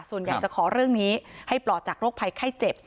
ส่วนใหญ่จะขอเรื่องนี้ให้ปลอดจากโรคภัยไข้เจ็บ